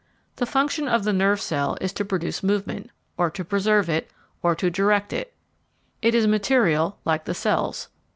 The function of the nerve cell is to produce movement, or to preserve it, or to direct it; ii is material like the cells.